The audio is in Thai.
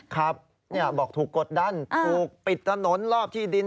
ครับบอกถูกกดดันถูกปิดถนนรอบที่ดิน